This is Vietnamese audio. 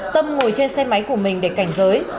tâm ngồi trên xe máy của mình để cảnh giới